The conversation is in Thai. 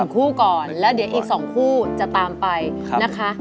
คู่ก่อนแล้วเดี๋ยวอีก๒คู่จะตามไปนะคะ